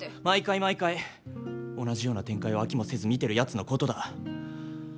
毎回毎回同じような展開を飽きもせず見てるやつのことだ。